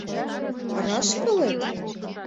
— Раш палет?